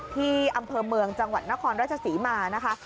ที่อำเภอเมืองจังหวัดนครราชศรีมานะคะ